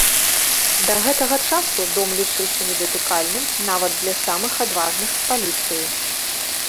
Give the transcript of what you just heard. Да гэтага часу дом лічыўся недатыкальным нават для самых адважных з паліцыі.